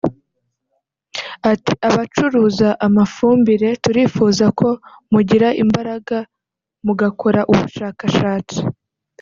Ati “Abacuruza amafumbire turifuza ko mugira imbaraga mugakora ubushakashatsi